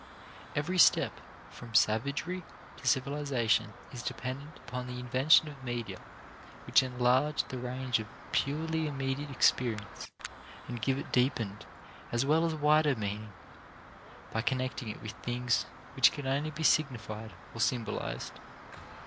Every step from savagery to civilization is dependent upon the invention of media which enlarge the range of purely immediate experience and give it deepened as well as wider meaning by connecting it with things which can only be signified or symbolized.